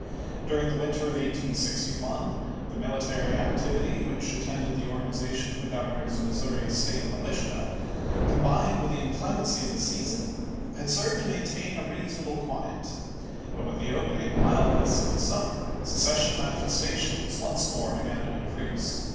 During the winter of 1861, the military activity which at tended the organization of the Governor's Missouri State Militia, combined with the inclemency of the season, had served to maintain a reasonable quiet, but with the opening mildness of the summer, seces sion manifestations once more began to increase.